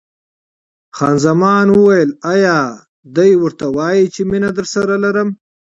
خان زمان وویل: ایا دی ورته وایي چې مینه درسره لرم؟